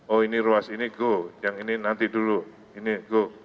oh ini ruas ini go yang ini nanti dulu ini go